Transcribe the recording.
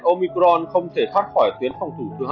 omicron không thể thoát khỏi tuyến phòng thủ thứ hai